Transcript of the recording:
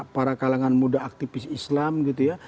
para kalangan muda aktivis islam gitu ya